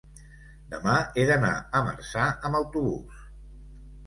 demà he d'anar a Marçà amb autobús.